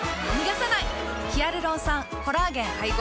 ヒアルロン酸・コラーゲン配合。